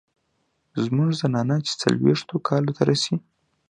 زمونږ زنانه چې څلوېښتو کالو ته رسي